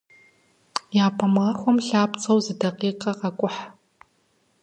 Япэ махуэм лъапцӀэу зы дакъикъэ къэкӀухь.